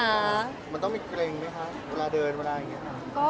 มันต้องมีเกร็งไหมคะเวลาเดินเวลาอย่างนี้